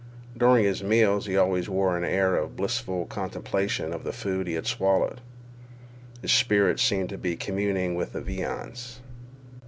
During his meals he always wore an air of blissful contemplation of the food he had swallowed. His spirit seemed then to be communing with the viands.